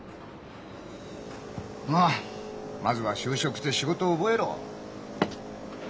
まあまずは就職して仕事を覚えろ。